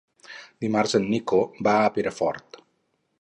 Dimarts en Nico va a Perafort.